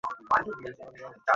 আস্তে আস্তে - আমাকে সাহায্য কর!